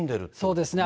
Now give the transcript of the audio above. そうですね。